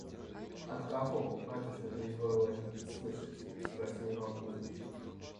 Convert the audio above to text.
– «От кого, батюшка, ты изволил это слышать?» – спросил Иван Кузмич.